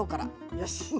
よし！